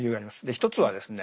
一つはですね